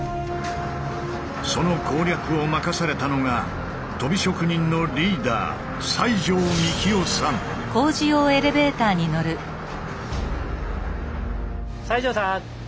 その攻略を任されたのがとび職人のリーダー西城さん！